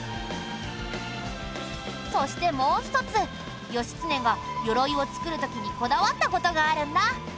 そしてもう一つ義経が鎧を作る時にこだわった事があるんだ。